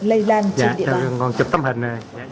lây lan trên địa bàn